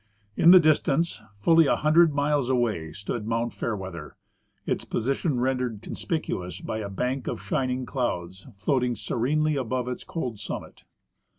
In the distance, fully a hundred miles away, stood Mount Fair weather, its position rendered conspicuous by a bank of shining clouds floating serenely above its cold summit.